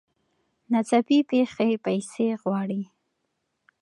ناڅاپي پېښې پیسې غواړي.